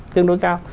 tương đối cao